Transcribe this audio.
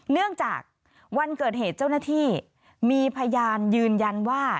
เนื่องจากวันเกิดเหตุเจ้าหน้าที่มีพยานยืนยันว่า